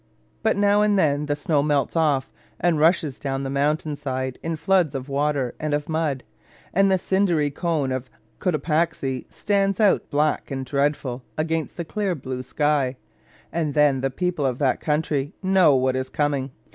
But now and then the snow melts off and rushes down the mountain side in floods of water and of mud, and the cindery cone of Cotopaxi stands out black and dreadful against the clear blue sky, and then the people of that country know what is coming.